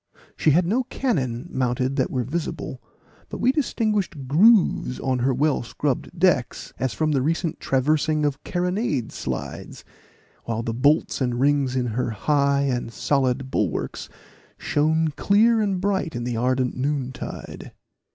She had no cannon mounted that were visible; but we distinguished grooves on her well scrubbed decks, as from the recent traversing of carronade slides, while the bolts and rings in her high and solid bulwarks shone clear and bright in the ardent noontide.